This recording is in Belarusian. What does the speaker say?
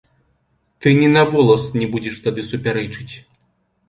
Ты ні на волас не будзеш тады супярэчыць.